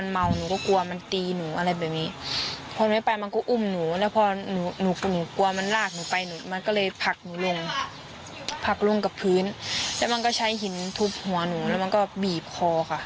มันก็ใช้หินทุบหัวหนูแล้วมันก็บีบคอค่ะ